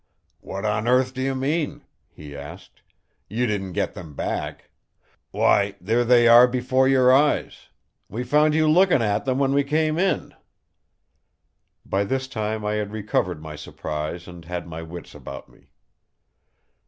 "What on earth do you mean?" he asked. "You didn't get them back! Why, there they are before your eyes! We found you looking at them when we came in." By this time I had recovered my surprise and had my wits about me.